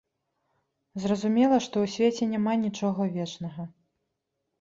Зразумела, што ў свеце няма нічога вечнага.